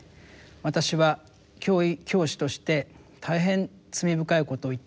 私は教師として大変罪深いことを言ってきたって。